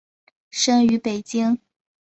生于北京。